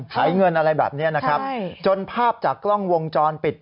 ขายเงินอะไรแบบนี้นะครับจนภาพจากกล้องวงจรปิด